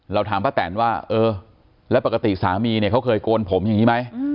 เราถามพระแตนว่าแล้วปกติสามีเขาเคยโกนผมอย่างนี้ไหม